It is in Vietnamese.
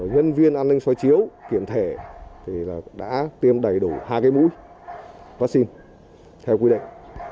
nhân viên an ninh soi chiếu kiểm thể đã tiêm đầy đủ hai cái mũi vaccine theo quy định